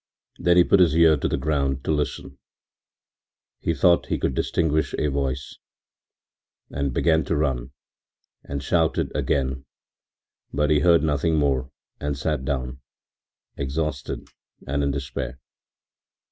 Then he put his ear to the ground to listen. He thought he could distinguish a voice, and he began to run and shouted again, but he heard nothing more and sat down, exhausted and in despair.